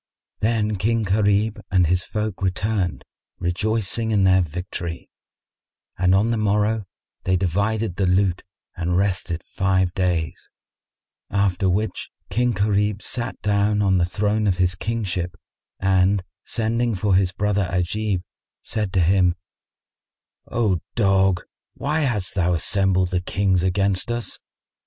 Then King Gharib and his folk returned, rejoicing in their victory; and on the morrow they divided the loot and rested five days; after which King Gharib sat down on the throne of his kingship and sending for his brother Ajib, said to him, "O dog, why hast thou assembled the Kings against us?